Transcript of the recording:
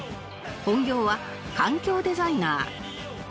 本業は環境デザイナー